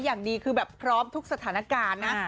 อย่างดีคือแบบพร้อมทุกสถานการณ์นะ